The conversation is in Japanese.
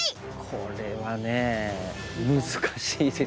これはね難しいですね。